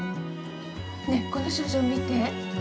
ね、この賞状見て！